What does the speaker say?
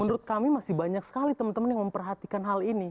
menurut kami masih banyak sekali teman teman yang memperhatikan hal ini